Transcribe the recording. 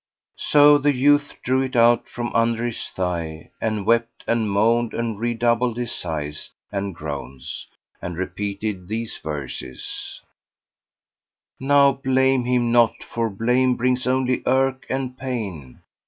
So the youth drew it out from under his thigh, and wept and moaned and redoubled his sighs and groans, and repeated these verses, "Now blame him not; for blame brings only irk and pain!